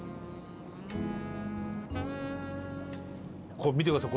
これ見てください。